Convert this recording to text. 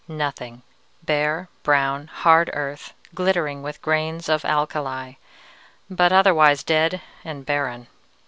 Nothing. Bare, brown, hard earth, glittering with grains of alkali, but otherwise dead and barren.